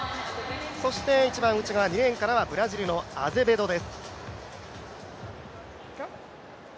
そして一番内側２レーンからはブラジルのアゼベドです。